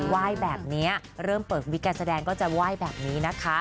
ไหว้แบบนี้เริ่มเปิดวิกการแสดงก็จะไหว้แบบนี้นะคะ